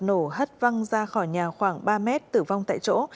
nổ hất văng ra khỏi nhà khoảng ba mét tử vong tại chỗ